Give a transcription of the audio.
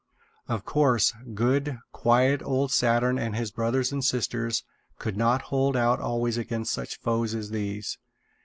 Of course, good, quiet old Saturn and his brothers and sisters could not hold out always against such foes as these.